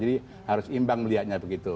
jadi harus imbang melihatnya begitu